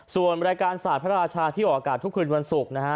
ส่วนรายการศาสตร์พระราชาที่ออกอากาศทุกคืนวันศุกร์นะฮะ